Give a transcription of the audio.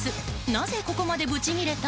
なぜここまでブチギレた？